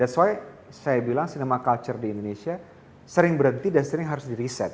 jadi selalu di riset riset riset that's why saya bilang cinema culture di indonesia sering berhenti dan sering harus di riset